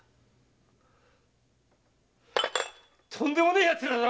とんでもねえ奴らだな！